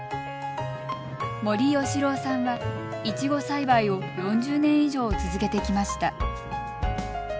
森義郎さんはいちご栽培を４０年以上、続けてきました。